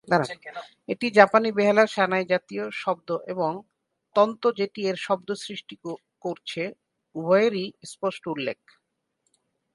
এটি জাপানি বেহালার সানাই-জাতীয় শব্দ এবং, তন্তু যেটি এর শব্দ সৃষ্টি করছে, উভয়েরই স্পষ্ট উল্লেখ।